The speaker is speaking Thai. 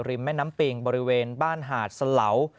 แม่น้ำปิงบริเวณบ้านหาดสะเหลา